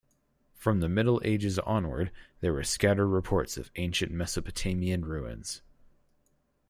From the Middle Ages onward, there were scattered reports of ancient Mesopotamian ruins.